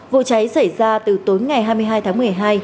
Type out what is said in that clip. vụ cháy xảy ra từ tối ngày hai mươi hai tháng một mươi hai